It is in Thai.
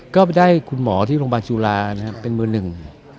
ก็ไปได้คุณหมอที่โรงพยาบาลจุฬานะครับเป็นมือหนึ่ง